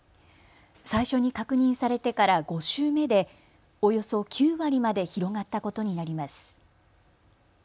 最初に確認されてから５週目でおよそ９割まで広がったことになります。